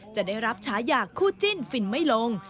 จะได้รับฉายาคู่จิ้นฟินไม่ลง